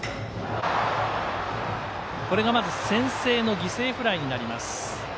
これがまず先制の犠牲フライになります。